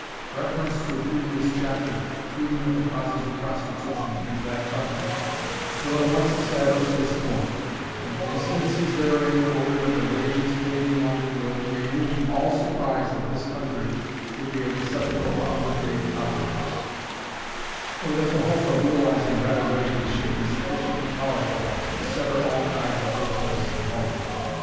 Reference to a previous chapter, treating of the causes of prostitution in that country, will at once establish this point, and the instances therein quoted of the wages paid in London will remove all surprise that this country should be a receptacle for underpaid operatives, or that the hope of realizing better wages should be sufficiently powerful to sever all ties of birth place and home.